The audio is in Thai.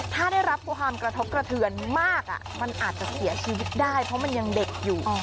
ถ้าได้รับความกระทบกระเทือนมากมันอาจจะเสียชีวิตได้เพราะมันยังเด็กอยู่